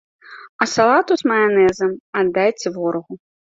А салату з маянэзам аддайце ворагу.